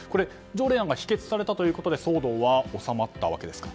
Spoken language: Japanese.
条例案が否決されたということで騒動は収まったわけですか？